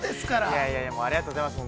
◆いやいやいやありがとうございます。